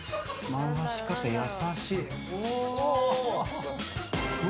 回し方優しい。